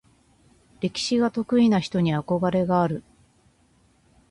歴史が得意な人に憧れがある。